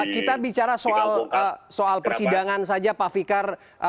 kita bicara soal persidangan saja pak fikar